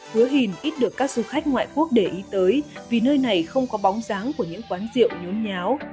hứa hình ít được các du khách ngoại quốc để ý tới vì nơi này không có bóng dáng của những quán rượu nhốn nháo